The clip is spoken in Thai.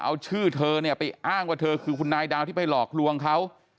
เอาชื่อเธอเนี่ยไปอ้างว่าเธอคือคุณนายดาวที่ไปหลอกลวงเขา